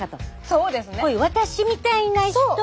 そうです。